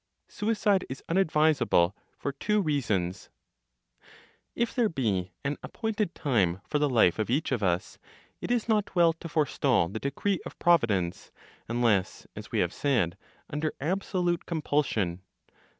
SUICIDE IS UNADVISABLE, FOR TWO REASONS. If there be an appointed time for the life of each of us, it is not well to forestall the decree of Providence, unless, as we have said, under absolute compulsion.